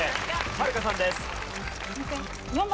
はるかさんです。